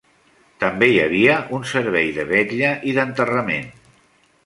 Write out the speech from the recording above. També hi havia un servei de vetlla i d'enterrament.